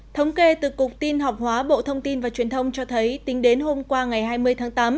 thống kê từ cục tin học hóa bộ thông tin và truyền thông cho thấy tính đến hôm qua ngày hai mươi tháng tám